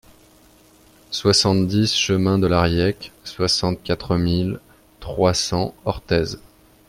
soixante-dix chemin de l'Arriec, soixante-quatre mille trois cents Orthez